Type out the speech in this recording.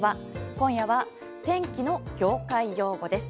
今夜は天気の業界用語です。